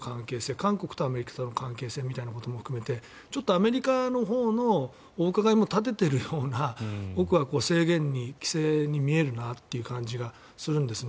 韓国とアメリカとの関係性みたいなことも含めてちょっとアメリカのほうのお伺いも立てているような僕は制限に規制に見えるなという感じがするんですね。